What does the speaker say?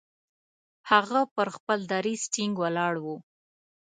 هغه پر خپل دریځ ټینګ ولاړ وو.